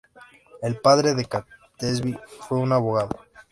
El padre de Catesby fue un abogado.